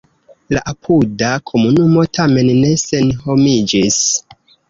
La apuda komunumo tamen ne senhomiĝis.